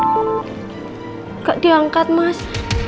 enggak diangkat mas